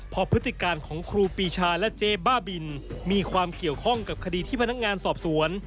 พอพฤติการของครูปีชาและเจ๊บ้าบินมีความเกี่ยวข้องกับคดีที่พนักงานสอบสวน